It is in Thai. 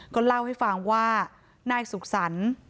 ก็เล่าให้ฟังว่านายสุขสรรค์